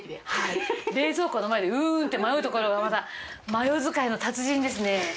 冷蔵庫の前でうんって迷うところがまたマヨ使いの達人ですね。